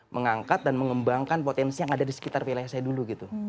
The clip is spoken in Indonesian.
mengangkat dan mengembangkan potensi yang ada di sekitar wilayah saya dulu gitu